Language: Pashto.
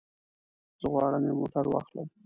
زه غواړم یو موټر واخلم.